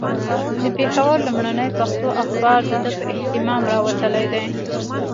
د پېښور لومړنی پښتو اخبار د ده په اهتمام راوتلی دی.